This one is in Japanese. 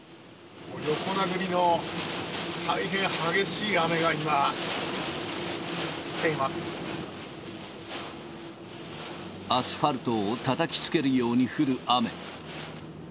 横殴りの大変激しい雨が今、アスファルトをたたきつけるように降る雨。